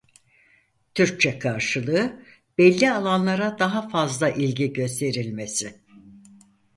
Türkçe karşılığı "Belli Alanlara Daha Fazla İlgi Gösterilmesi".